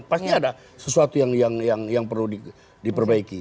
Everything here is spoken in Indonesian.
pasti ada sesuatu yang perlu diperbaiki